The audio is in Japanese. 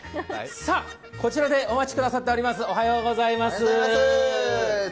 さぁこちらでお待ちくださっています。